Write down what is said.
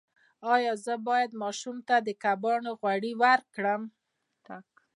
ایا زه باید ماشوم ته د کبانو غوړي ورکړم؟